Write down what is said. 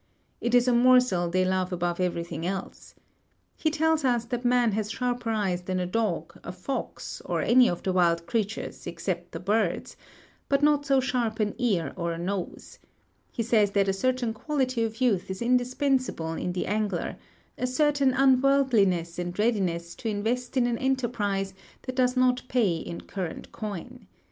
It is a morsel they love above everything else. He tells us that man has sharper eyes than a dog, a fox, or any of the wild creatures except the birds, but not so sharp an ear or a nose; he says that a certain quality of youth is indispensable in the angler, a certain unworldliness and readiness to invest in an enterprise that does not pay in current coin.